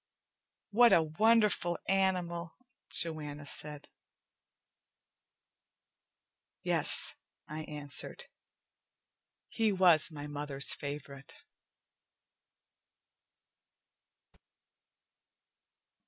"What a wonderful animal," Joanna said. "Yes," I answered. "He was my mother's favorite."